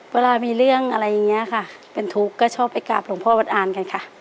เวลามีเรื่องอะไรอย่างนี้ค่ะเป็นทุกข์ก็ชอบไปกราบหลวงพ่อวัดอ่านกันค่ะ